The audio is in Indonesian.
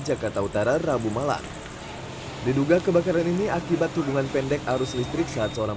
jakarta utara rabu malam diduga kebakaran ini akibat hubungan pendek arus listrik saat seorang